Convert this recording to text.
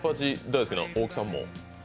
大好きな大木さんも？